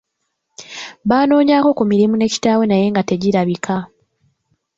Baanoonyaako ku mirimu ne kitaawe naye nga tegirabika.